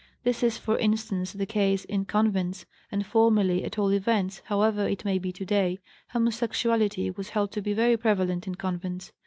This is, for instance, the case in convents, and formerly, at all events, however, it may be today, homosexuality was held to be very prevalent in convents.